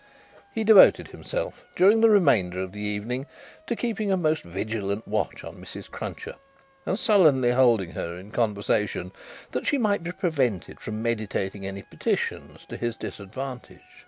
He devoted himself during the remainder of the evening to keeping a most vigilant watch on Mrs. Cruncher, and sullenly holding her in conversation that she might be prevented from meditating any petitions to his disadvantage.